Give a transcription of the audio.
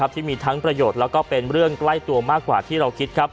ที่มีทั้งประโยชน์และเป็นเรื่องใกล้ตัวมากกว่าที่เราคิด